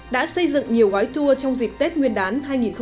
đã xây dựng nhiều gói tour trong dịp tết nguyên đán hai nghìn một mươi chín